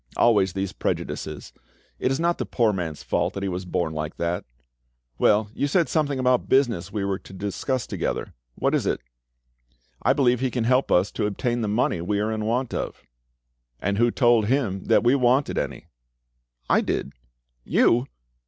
"Always these prejudices! It is not the poor man's fault that he was born like that." "Well, you said something about business we were to discuss together —what is it?" "I believe he can help us to obtain the money we are in want of." "And who told him that we wanted any?" "I did." "You!